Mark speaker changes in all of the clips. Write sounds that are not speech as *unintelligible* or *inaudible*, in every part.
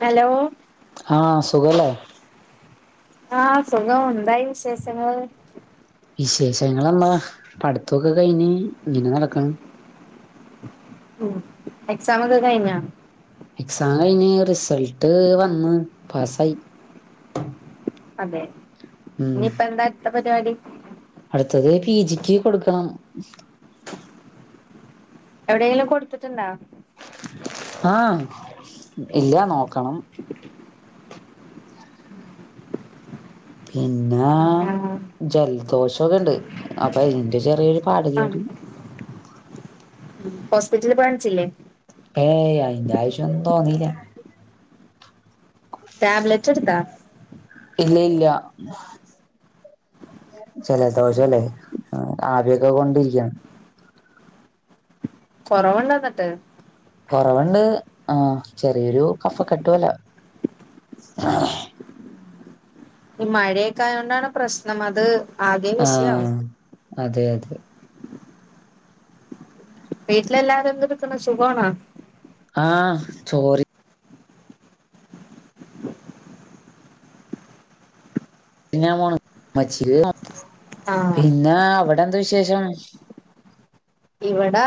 Speaker 1: Hello
Speaker 2: ആഹ സുഖലേ
Speaker 1: ആഹ സുഖം എന്തായി വിശേഷങ്ങൾ
Speaker 2: വിശേഷങ്ങളന്താ പഠിത്തൊക്കെ കഴിഞ് ഇങ്ങനെ നടക്കണ്
Speaker 1: ഉ എക്സാം ഒക്കെ കഴിഞ്ഞോ
Speaker 2: എക്സാം കഴിഞ്ഞ റിസൾട്ട് വന്ന് പാസായി
Speaker 1: അതെ ഇനിപ്പ എന്താ അടുത്ത പരിപാടി
Speaker 2: അടുത്തത് പി ജിക്ക് കൊടുക്കണം
Speaker 1: എവിടെയെങ്കിലും കൊടുത്തിട്ടുണ്ടോ
Speaker 2: ആഹ ഇല്ല നോക്കണം പിന്നെ
Speaker 1: ആഹ്
Speaker 2: ജലദോഷംക്കെ ഉണ്ട് അപ്പൊ അതിന്റെ ചെറിയൊരു പാട് കേട്
Speaker 1: ഹോസ്പിറ്റലില് കാണിച്ചില്ലേ
Speaker 2: ഏയ് അയിന്റെ ആവ്യം തോന്നീല്ല
Speaker 1: ടാബ്ലറ്റ് എടുതാ
Speaker 2: ഇല്ല ഇല്ല ജല ദോഷല്ലേ ആവിയൊക്കെ കൊണ്ടിരിക്കയാണ്
Speaker 1: കൊറവുണ്ടോ ന്നിട്ട്
Speaker 2: കൊറവുണ്ട് ആ ചെറിയൊരു കഫ കെട്ട്പോലെ *inaudible*
Speaker 1: ഈ മഴയൊക്കായതോണ്ടാണ് പ്രശ്നം അത് ആകെ വിഷയവും
Speaker 2: ആഹ് അതെ അതെ
Speaker 1: വീട്ടിലെല്ലാരും എന്ത് എടുക്കുന്ന സുഖണോ
Speaker 2: ആഹ ചോറി *unintelligible*
Speaker 1: ആഹ്
Speaker 2: പിന്നെ അവിടെ എന്ത് വിശേഷം
Speaker 1: ഇവിടാ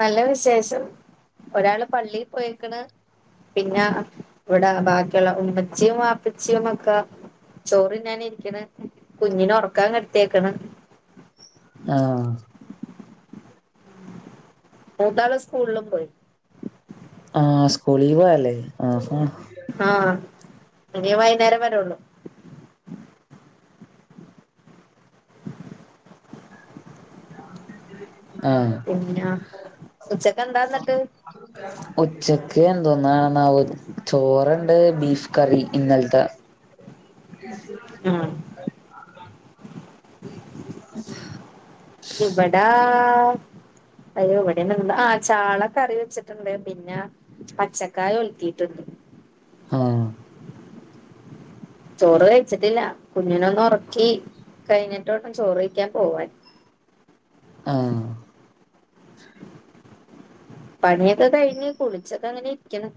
Speaker 1: നല്ല വിശേഷം ഒരാള് പള്ളി പോയിക്ണ് പിന്നെ ഇവിടെ ബാക്കിയുള്ള ഉമ്മച്ചിയും വാപ്പച്ചിയും ഒക്കെ ചോറ് തിന്നാൻ ഇരിക്കണ് കുഞ്ഞിനെ ഉറക്കാൻ കിടത്തിയേക്കണ്
Speaker 2: ആഹ
Speaker 1: മൂതാള് സ്കൂളിലും പോയി
Speaker 2: ആഹ സ്കൂളില് പോയല്ലേ ആഹ
Speaker 1: ആഹ അ വൈകുന്നേരം വരള്ളു
Speaker 2: ഉ ആഹ
Speaker 1: പിന്നെ ഉച്ചക്കെന്താന്നിട്ട്
Speaker 2: *inaudible* ഉച്ചക്ക് ഒക്കെ എന്തോന്നണെന്ന ചോറണ്ട് ബീഫ് കറി ഇന്നലത്തെ *inaudible*
Speaker 1: ആഹ്
Speaker 2: *inaudible*
Speaker 1: ഇവിടാ അ എവിടെന്നണ്ട് ആ് ചാള കറി വെച്ചിട്ടുണ്ട് പിന്നെ പച്ചക്കായ ഒലുത്തിയിട്ടുണ്ട് *inaudible*
Speaker 2: ആഹ
Speaker 1: ചോറ് കഴിച്ചിട്ടില്ല കുഞ്ഞിനൊന്ന ഉറക്കി കഴിഞ്ഞിട്ടോട്ടം ചോറ്കയിക്കാൻ പോവാൻ
Speaker 2: ആഹ
Speaker 1: പണിയൊക്കെ കഴിഞ്ഞ് കുളിച്ചക്കെ അങ്ങനെ ഇരിക്കണം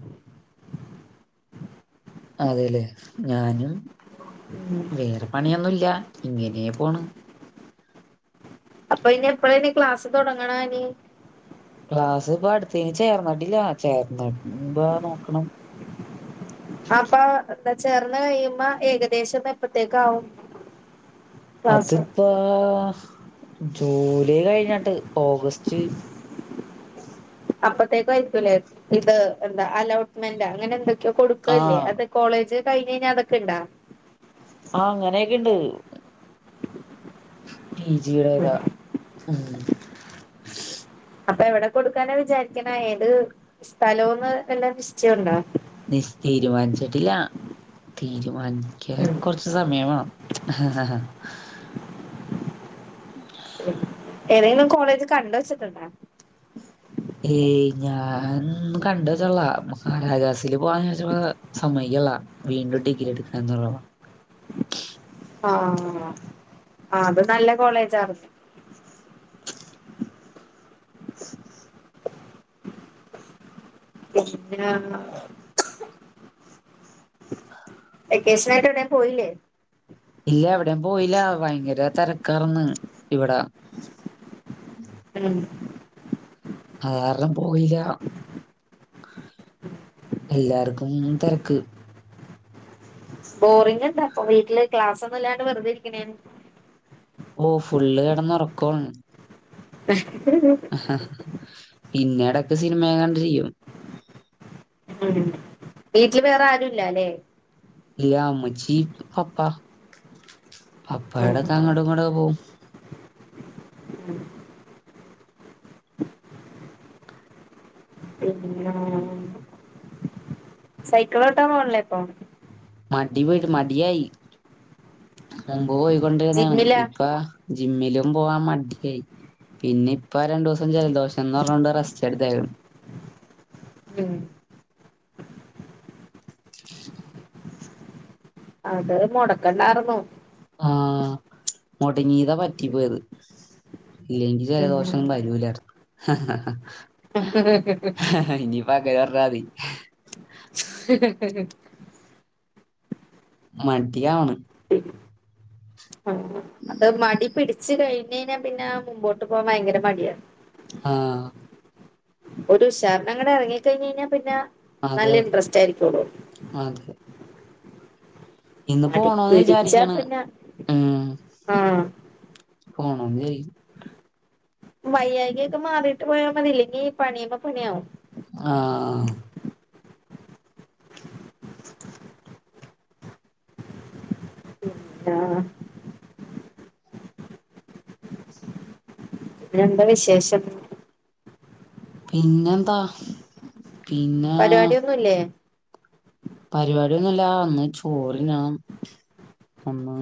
Speaker 2: അതെല്ലേ ഞാനും
Speaker 1: ഉം
Speaker 2: വേറെ പണിയൊന്നുമല്ല ഇങ്ങനെ പോണ്
Speaker 1: അപ്പൊ ഇനി എപ്പഴനി ക്ലാസ് തുടങ്ങണന്
Speaker 2: ക്ലാസ് ഇപ്പ അടുത്തഴഞ് ചേർന്നടില്ല ചേർന്നടമ്പ നോക്കണം
Speaker 1: അപ്പൊ എന്താ ചേർന്ന് കഴിയുമ്പോ ഏകദേശംന്ന് എപ്പത്തേക്ക ആാവും
Speaker 2: അതിപ്പ ജൂലൈ കഴിഞ്ഞിട്ട് ഓഗസ്റ്റ്
Speaker 1: അപ്പത്തേക്ക ആയിരിക്കൂലേ ഇത് എന്താ അലോട്ട്മെന്റ് അങ്ങനെ എന്തൊ കൊടുക്കല്ലേ
Speaker 2: ആഹ്
Speaker 1: അത് കോളേജ് കഴിഞ്ഞഞ് കഴിഞ്ഞാൽ അതൊക്കെ ഇണ്ടാ
Speaker 2: ആഹ് അങ്ങനെയൊക്കെണ്ട് പി ജത ഉ
Speaker 1: അപ്പൊ എവിടെ കൊടുക്കാനാ വിചാരിക്കണ ഏത് സ്ഥലവുംന്ന് എല്ലാം നിശ്ചയംുണ്ടോ
Speaker 2: നി തീരുമാനിച്ചിട്ടില്ല തീരുമാനിക്കാൻ കുറച്ച് സമയമാ ഉ *inaudible*
Speaker 1: ഏതെങ്കിലും കോളേജ് കണ്ട വെച്ചിട്ടുണ്ടോ
Speaker 2: ഏയ് ഞാൻ കണ്ട്ു മഹ രാാജാസില് പോവാന്ന് ചോദിച്ചുള്ള സമയ്ക്കല്ല വീണ്ടും ടഗറ്റ് എടുക്കാ എന്നുള്ളതാണ്
Speaker 1: ആഹ ആ അത് നല്ല കോളേജ ആരുന്നു *inaudible* പിന്നെ വെക്കേഷനായിട്ടന്ന പോയില്ലേ
Speaker 2: ഇല്ല എവിടെയും പോയില്ല ഭയങ്കര തിരക്കാർന്ന് ഇവിട
Speaker 1: ഉം
Speaker 2: അാരണം പോയില്ല എല്ലാർക്കും തിരക്ക്
Speaker 1: ബോറിംഗ ഉണ്ട അപ്പൊ വീട്ടില് ക്ലാസ് ഒന്നും ഇല്ലാണ്ട് വെറുതെ ഇരിക്കണ ൻ
Speaker 2: ഓ ഫുള്ള് കടന്ന്ുറക്കോ
Speaker 1: ആ
Speaker 2: പിന്നീടൊക്കെ സിനിമയാങ്ങാണ്ട് ചെയ്യും
Speaker 1: ഉ വീട്ടില് വേറെ ആരുുംല്ലല്ലെ
Speaker 2: ഇല്ല അമ്മച്ചി പപ്പ
Speaker 1: ഉം
Speaker 2: പപ്പയുടെ താങ്ങോട്ടും ഇങ്ങോട്ടക്കെ പോകവും
Speaker 1: ഉം പിന്ന സൈക്കിളോട്ടോ പോണല്ലേപ്പ
Speaker 2: മടി പോട്ട് മടിയായി മുമ്പ് പോയിക്കൊണ്ടിരുന്നാണ്
Speaker 1: ജിമ്മിലാ
Speaker 2: ഇപ്പ ജിമ്മിലും പോവാൻ മടായി പിന്നെ ഇപ്പൊ രണ്ടു ദിവസം ജലദോഷംന്ന് പറഞ്ഞോണ്ട് റസ്റ്റ്ടുതായിരുന്നു
Speaker 1: ഉം അത് മുടക്കണ്ടായിർന്നു
Speaker 2: ആഹ മുട് നീതാ പറ്റി പോയത് ഇല്ലെങ്കിൽ
Speaker 1: ഉം
Speaker 2: ജലദോഷം വരൂല ഇനി പക്ക വരാതി
Speaker 1: ഉ
Speaker 2: മടിയവണ്
Speaker 1: ഉ ആ അത് മടി പിടച്ച് കഴിഞ്ഞ കഴിഞ്ഞാൽ പിന്നെ മുമ്പോട്ട് പോകാൻ ഭയങ്കര മടിയാണ്
Speaker 2: ആഹ
Speaker 1: ഒരു ഉശാരണം അങ്ങടെ ഇറങ്ങ കഴിഞ്ഞഞ് കഴിഞ്ഞാൽ പിന്നെ
Speaker 2: അതെ
Speaker 1: നല്ല
Speaker 2: അതെ
Speaker 1: ഇൻട്രസ്റ്റ് ആയിരിക്കള്ളു
Speaker 2: അതെ ഇന്ന് പോണോന്ന്
Speaker 1: പിടിച്ചാ
Speaker 2: വിചാരിക്ക്ണ്
Speaker 1: പിന്നെ
Speaker 2: ഉ
Speaker 1: ആഹ്
Speaker 2: പോണോന്ന്
Speaker 1: വയ്യായ്കെക്കെ മാറീട്ട് പോയാ മതീലെ ഇഞ്ഞ് പണിയ്പ പണിയാവും
Speaker 2: ആ ആ
Speaker 1: ആഹ് പിന്നെന്താ വിശേഷം
Speaker 2: പിന്നെന്താ പിന്നെ
Speaker 1: പരിപാടി ഒന്നുല്ലേ
Speaker 2: പരിപാടിയൊന്നുല്ല ഒന്ന് ചോറിനാനണം ഒന്നാ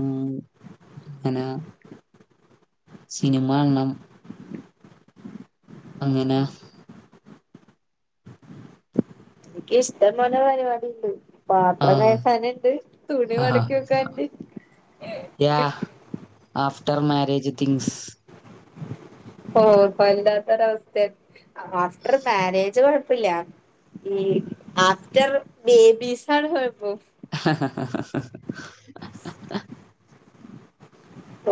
Speaker 2: ഇങ്ങന സിനിമണ്ണം അങ്ങനെ
Speaker 1: ൻക്ക് ഇഷ്ടം പോലെ പരിപാടിണ്ട് പാത്ര
Speaker 2: ആഹ്
Speaker 1: കൈകാനിണ്ട് തുണി
Speaker 2: ആഹ്
Speaker 1: മടക്കി വെക്കാൻണ്ട്
Speaker 2: യാ ആഫ്റ്റർ മാരേജ് തിങ്സ്
Speaker 1: ഓ വല്ലാത്തൊരവസ്ഥ്യ ആഫ്റ്റർ മാരേജ് കൊഴപ്പില്ല ഈ ആഫ്റ്റർ ബേബീസാണ് കൊഴ്പ്പം
Speaker 2: ഹഹഹ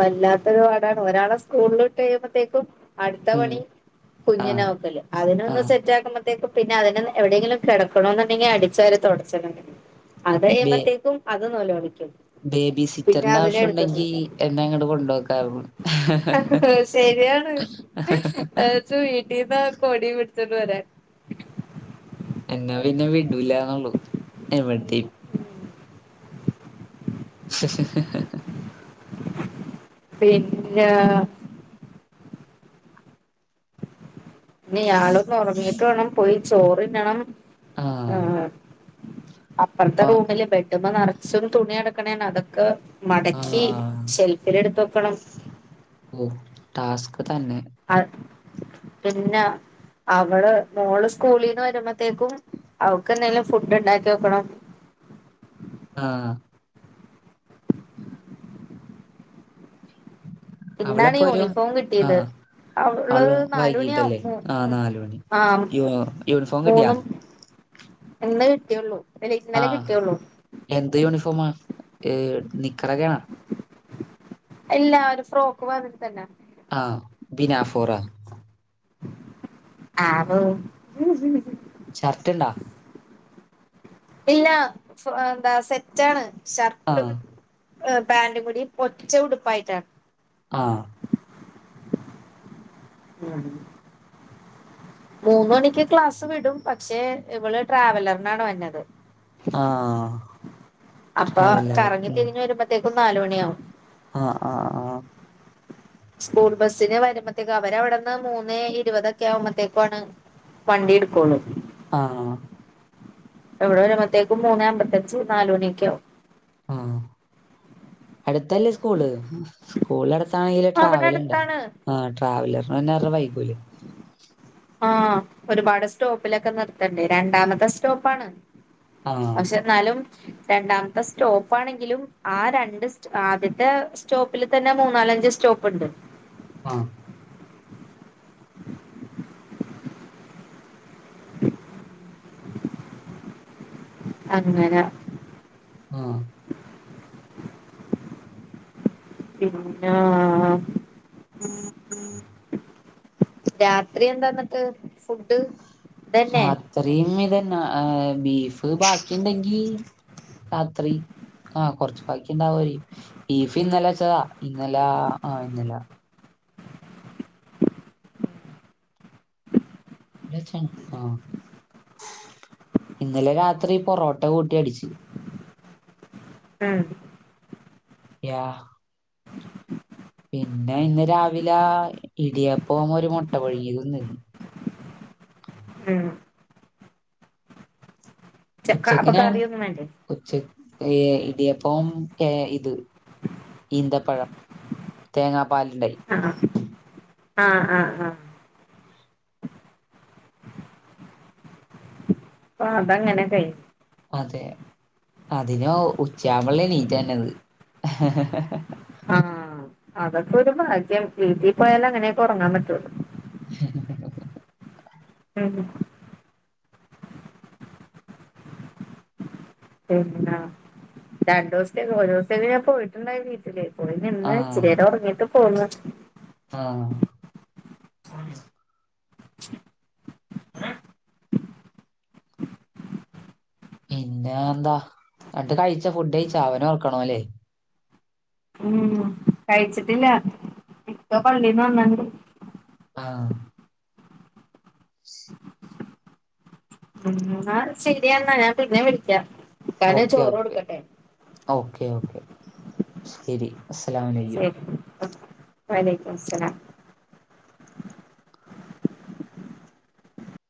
Speaker 1: വല്ലാത്തൊരുപാടാണ് ഒരാളെ സ്കൂൾലുട്ട് കഴുമ്പത്തേക്കും അടുത്ത
Speaker 2: ഉം
Speaker 1: പണി
Speaker 2: ആഹ്
Speaker 1: കുഞ്ഞിനോക്കല് അതിനൊന്ന്
Speaker 2: ആഹ്
Speaker 1: സെറ്റാക്കുമ്പ ത്തേക്കുംപിന്നെ അവന് എവിടേങ്കിലും കെടക്കണോന്നുണ്ടെങ്കി അടിച്ചാരിതുടച്ചിടണം അത്
Speaker 2: ബേ
Speaker 1: കയ്യുമ്പത്തേക്കും അത് നൊലൊളി
Speaker 2: ബേബി സിറ്റർന്റെ ആവശ്യൊണ്ടെങ്കി എന്നെ അങ്ങോട്ട് കൊണ്ടാക്കാറുന്നു
Speaker 1: അത് ശര്യാണ് ത വീട്ടീന്ന് കൊടി പിട്ച്ചോണ്ട് വരാൻ
Speaker 2: എന്നാ പിന്നെ വിടുല ന്നുള്ളു എവടിം
Speaker 1: ഉ പിന്നാ ഇ ഇയാളൊന്നൊറങ്ങിട്ട് വേണം പോയി ചോറിന്നണം ആ
Speaker 2: ആഹ്
Speaker 1: അപ്പറത്തെ
Speaker 2: ആഹ്
Speaker 1: റൂമില് ബെഡ്ഡ്മ്മ നറച്ചും തുണി കടക്ക്ണേണ് അതൊക്കെ മടക്കി
Speaker 2: ആഹ്
Speaker 1: ഷെൽഫിലിടുത്ത് വക്കണം
Speaker 2: ഓ ടാസ്ക് തന്നെ
Speaker 1: അ പിന്നെ അവള് മോള് സ്കൂളീന്ന് വരുമ്പത്തേക്കും അവക്ക് എന്തേലും ഫുഡ് ഇണ്ടാക്കി വെക്കണം
Speaker 2: ആഹ്
Speaker 1: ഇന്നാണ്
Speaker 2: അവളെപ്പോ വരും
Speaker 1: യൂണിഫോം കിട്ട്യേത്
Speaker 2: ആഹ്
Speaker 1: അവള് നാല് മണിയാവും
Speaker 2: വൈകീട്ടല്ലേ ആഹ്
Speaker 1: മ
Speaker 2: നാല് മണി
Speaker 1: ആ
Speaker 2: യൂ യൂണിഫോം കിട്ടിയാ
Speaker 1: മൂന്നും എന്ന് കിട്ട്യുള്ളൂ
Speaker 2: ആ എന്ത് യൂണിഫോമാ ഏ നിക്കറെക്കാ
Speaker 1: ഇല്ല ഒര് ഫ്രോക്ക് മാതിരിതന്നെ
Speaker 2: ആഹ് ബിനാഫോറ
Speaker 1: ആ
Speaker 2: ഷർട്ട്ണ്ടാ
Speaker 1: ഇല്ല ഫു എന്താ സെറ്റാണ് ഷർട്ടും
Speaker 2: ആഹ്
Speaker 1: പാൻറ് കൂടി ഒറ്റ ഉടുപ്പായിട്ടാണ്
Speaker 2: ആഹ്
Speaker 1: ഉം മൂന്ന മണിക്ക് ക്ലാസ്സ് വിടും, പക്ഷേ ഇവള് ട്രാവലറിനാണ് വന്നത്.
Speaker 2: ആഹ്
Speaker 1: അപ്പോ
Speaker 2: ട്രാവലർ
Speaker 1: കറങ്ങി
Speaker 2: ഉം
Speaker 1: തിരിഞ്ഞ് വരുമ്പത്തേക്കും നാല് മണിയാവും.
Speaker 2: ആഹ് ആഹ് ആഹ്
Speaker 1: സ്കൂൾ ബസിന് വരുമ്പത്തേക്കും അവര അവിടുന്ന് മൂന്നെ ഇരുപതൊക്കെ ആവുമ്പത്തേക്കും ആണ് വണ്ടി എടുക്കോള്ളൂ.
Speaker 2: ആഹ്
Speaker 1: ഇവിടെ വരുമ്പോത്തേക്കും മൂന്ന അമ്പത്തഞ്ച് നാൽ മണിയക്കെ ആവും
Speaker 2: ആഹ് അടുത്തല്ലേ സ്കൂള് സ്കൂൾ ടു *unintelligible*
Speaker 1: അവിടെ
Speaker 2: ട്രാവൽണ്ട്
Speaker 1: അടുത്താണ്
Speaker 2: ആഹ് ട്രാവലർ *unintelligible* വൈബുൽ
Speaker 1: ആഹ് ഒരുപാട് സ്റ്റോപ്പിലൊക്കെ നിർത്തണ്ടേ രണ്ടാമത്തെ സ്റ്റോപ്പാണ്.
Speaker 2: ആഹ്
Speaker 1: പക്ഷെ ന്നാലും രണ്ടാമത്തെ സ്റ്റോപ്പാണെങ്കിലും ആ രണ്ട് ആദ്യത്തെ സ്റ്റോപ്പിൽ തന്നെ മൂന്നാലും അഞ്ച് സ്റ്റോപ്പ് ഇണ്ട്.
Speaker 2: ആഹ്
Speaker 1: അങ്ങന
Speaker 2: ആഹ്
Speaker 1: പിന്നാ... രാത്രി എന്താ ന്നിട്ട് ഫുഡ്? ഇതന്നെ
Speaker 2: രാത്രയും ഇതന്നാ ഏഹ് ബീഫ് ബാക്കിണ്ടെങ്കി രാത്രി ആഹ് കൊറച്ചി ബാക്കിണ്ടാവായി ബീഫ് ഇന്നലെ ചതാ ഇന്നലാ ആഹ് ഇന്നലാ ല്ലച്ചാണോ ആഹ് ഇന്നലെ രാത്രി പൊറോട്ട കൂട്ടി അടിച്ചി
Speaker 1: ഉമ്
Speaker 2: യാഹ് പിന്നെ ഇന്ന് രാവിലാ ഇടിയപ്പും ഒരു മുട്ട പുഴുങ്ങിയതും തിന്നു
Speaker 1: ഉമ്
Speaker 2: ഉച്ചക്ക്
Speaker 1: അപ്പൊ
Speaker 2: ഞാൻ
Speaker 1: കറിയൊന്നും വേണ്ടേ
Speaker 2: ഉച്ച ഏഹ് ഇടിയപ്പം ഏഹ് ഇത് ഈന്തപ്പഴം തേങ്ങാ പാലിണ്ട
Speaker 1: ആഹ്
Speaker 2: *unintelligible*
Speaker 1: ആഹ് ആഹ് ആഹ് ആ അത് അങ്ങനെ കഴിഞ്ഞു
Speaker 2: അതെ അതിനോ ഉച്ച ആ അവള് എണീറ്റത്
Speaker 1: ആഹ് അതൊക്കെ ഒരു ഭാഗ്യം വീട്ടി പോയാലേ അങ്ങനെയക്കെ ഒറങ്ങാൻ പറ്റുള്ളൂ
Speaker 2: *unintelligible*
Speaker 1: മ് ഹ് പിന്നെ രണ്ടു ദിവസത്തേക്ക് ഓരോത്തര് പോയിട്ടുണ്ടായി വീട്ടില് പോയി നിന്ന്
Speaker 2: ആഹ്
Speaker 1: ഇച്ചിരി നേരം ഒറങ്ങിട്ട് പോന്ന്
Speaker 2: ആഹ് പിന്നെ എന്താ എന്നിട്ട് കഴിച്ചാ ഫുഡ് കഴിച്ചാ അവന ഒർക്കണോയില്ലേ
Speaker 1: ഉം കഴിച്ചിട്ടില്ല ഇപ്പൊ പള്ളിന്ന് വന്നണ്ട്
Speaker 2: ആഹ്
Speaker 1: ഉം എന്നാ ശെരിയെന്നാ ഞാൻ പിന്നെ വിളിക്കാം ഇക്കാന്
Speaker 2: ഓക്കെ
Speaker 1: ചോറ്
Speaker 2: ഓക്കെ
Speaker 1: കൊടുക്കട്ടെ
Speaker 2: ഓക്കെ ഓക്കെ ശരി അസ്ലാംഅലൈക്കും
Speaker 1: വാലേക്കുമസ്സലാം